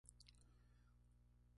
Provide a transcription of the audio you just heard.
Y el Teniente St.